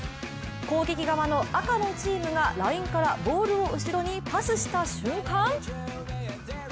攻撃側の赤のチームがラインからボールを後ろにパスした瞬間